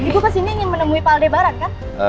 bu pas ini ingin menemui pak aldebaran kan